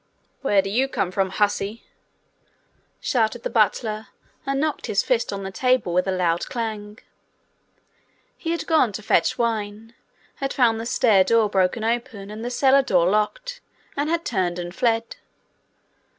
'Where do you come from, hussy?' shouted the butler, and knocked his fist on the table with a loud clang. He had gone to fetch wine, had found the stair door broken open and the cellar door locked, and had turned and fled.